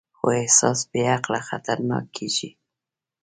خو احساس بېعقله خطرناک کېږي.